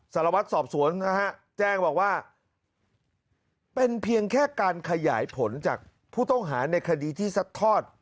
สารวัตรสอบสวนนะฮะแจ้งบอกว่าเป็นเพียงแค่การขยายผลจากผู้ต้องหาในคดีที่ซัดทอด